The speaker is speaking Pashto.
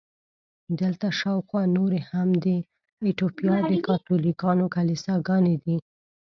دلته شاوخوا نورې هم د ایټوپیا د کاتولیکانو کلیساګانې دي.